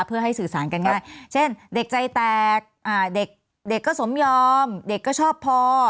เพื่อให้สื่อสารกันง่ายเช่นเด็กใจแตกเด็กก็สมยอมเด็กก็ชอบพอ